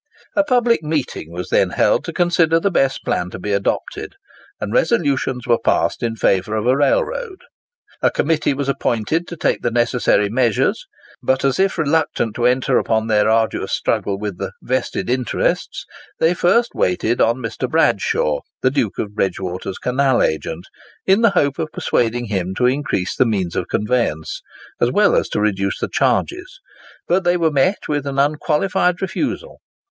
A public meeting was then held to consider the best plan to be adopted, and resolutions were passed in favour of a railroad. A committee was appointed to take the necessary measures; but, as if reluctant to enter upon their arduous struggle with the "vested interests," they first waited on Mr. Bradshaw, the Duke of Bridgewater's canal agent, in the hope of persuading him to increase the means of conveyance, as well as to reduce the charges; but they were met by an unqualified refusal.